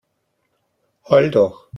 Heul doch!